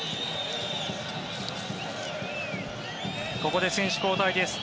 ここで選手交代です。